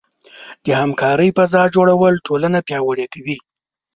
د همکارۍ فضاء جوړول ټولنه پیاوړې کوي.